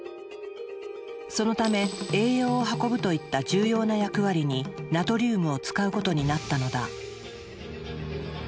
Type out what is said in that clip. そのため栄養を運ぶといった重要な役割にナトリウムを使うことになったのだ。